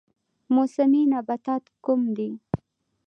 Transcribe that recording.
موسمي نباتات کوم دي؟